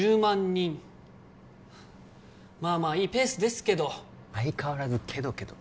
人まあまあいいペースですけど相変わらず「けどけど」